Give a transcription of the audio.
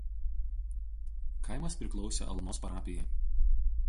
Kaimas priklausė Alnos parapijai.